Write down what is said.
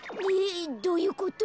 えどういうこと？